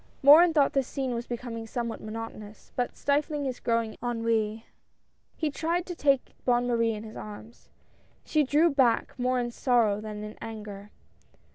Morin thought this scene was becoming somewhat monotonous, but stifling his growing ennui, he tried to take Bonne Marie in his arms. She drew back, more in sorrow than in anger.